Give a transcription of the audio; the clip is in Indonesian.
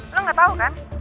lo gak tau kan